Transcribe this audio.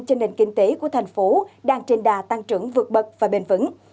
cho nền kinh tế của thành phố đang trên đà tăng trưởng vượt bậc và bền vững